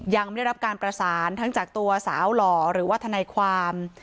ยังไม่ได้รับการประสานทั้งจากตัวสาวหล่อหรือว่าทนายความ